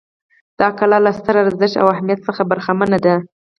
دا کلا له ستر ارزښت او اهمیت څخه برخمنه ده.